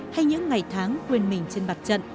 hay những ngày tháng quên mình trên mặt trận